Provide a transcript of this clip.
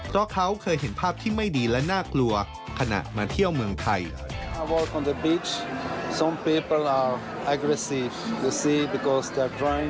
เพราะเขาเคยเห็นภาพที่ไม่ดีและน่ากลัวขณะมาเที่ยวเมืองไทย